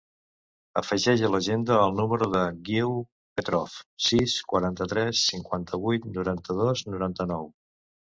Afegeix a l'agenda el número del Guiu Petrov: sis, quaranta-tres, cinquanta-vuit, noranta-dos, noranta-nou.